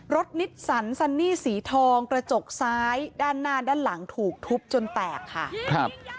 นิสสันซันนี่สีทองกระจกซ้ายด้านหน้าด้านหลังถูกทุบจนแตกค่ะครับ